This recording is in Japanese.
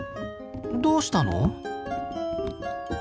どうしたの？